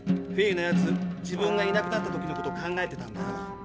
フィーのやつ自分がいなくなった時のこと考えてたんだよ。